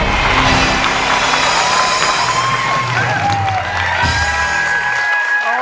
ใช้จ้าว